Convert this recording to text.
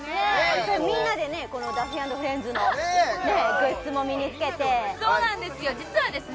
実際みんなでねこのダッフィー＆フレンズのグッズも身につけてそうなんですよ実はですね